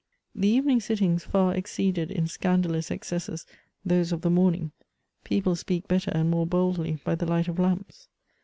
The evening sittings far exceeded in scandalous excesses those of the morning ; people speak better and more boldly by the light of lamps.